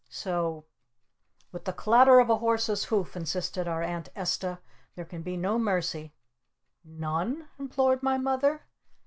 So " "With the clatter of a Horse's Hoof!" insisted our Aunt Esta. "There can be no mercy!" "None?" implored my Mother.